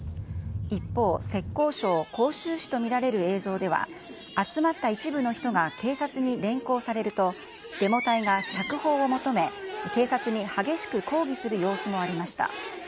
一方、浙江省杭州市と見られる映像では、集まった一部の人が警察に連行されると、デモ隊が釈放を求め、警察に激しく抗議する様子もありました。